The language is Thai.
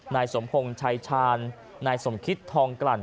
นายสมพงศ์ชายชาญนายสมคิตทองกลั่น